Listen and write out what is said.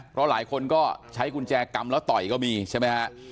เพราะหลายคนก็ใช้กุญแจกำแล้วต่อยก็มีใช่ไหมฮะ